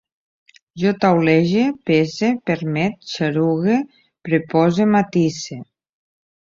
Jo taulege, pese, permet, xarugue, prepose, matise